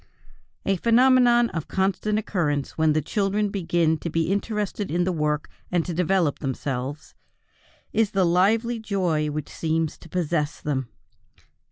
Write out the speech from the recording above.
A phenomenon of constant occurrence when the children begin to be interested in the work and to develop themselves is the lively joy which seems to possess them.